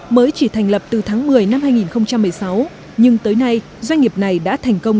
mới chỉ thành lập từ tháng một mươi năm hai nghìn một mươi sáu nhưng tới nay doanh nghiệp này đã thành công